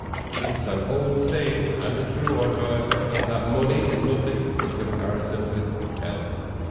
It's an old saying, and a true one, however, that money is nothing in comparison with health.